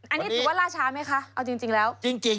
อันนี้ถือว่าล่าช้าไหมคะเอาจริงแล้ว